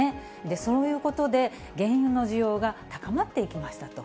そういうことで、原油の需要が高まっていきましたと。